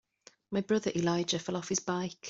My brother Elijah fell off his bike.